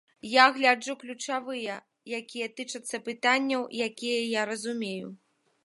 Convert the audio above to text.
Я гляджу ключавыя, якія тычацца пытанняў, якія я разумею.